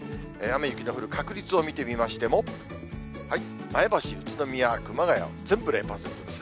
雨や雪の降る確率を見てみましても、前橋、宇都宮、熊谷、全部０％ですね。